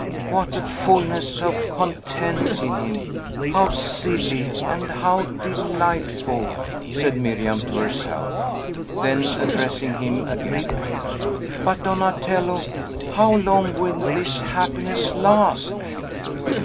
"What a fulness of content in him! How silly, and how delightful!" said Miriam to herself. Then addressing him again: "But, Donatello, how long will this happiness last?"